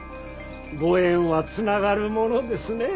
ご縁は繋がるものですねえ。